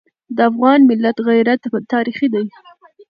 د افغان ملت غیرت تاریخي دی.